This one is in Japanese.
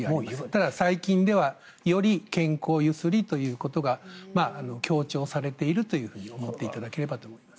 ただ、最近ではより健康揺すりということが強調されていると思っていただければと思います。